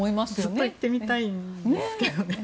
ずっと行ってみたいんですけどね。